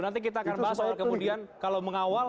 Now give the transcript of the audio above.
nanti kita akan bahas soal kemudian kalau mengawal